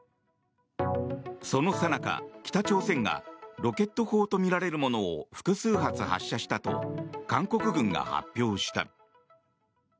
そのさなか、北朝鮮がロケット砲とみられるものを複数発発射したと韓国軍が発表した。